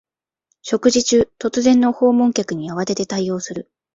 食事中、突然の訪問客に慌てて対応する